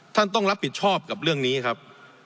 ท่านต้องรับผิดชอบกับเรื่องนี้ครับ